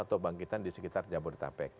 atau bangkitan di sekitar jabodetabek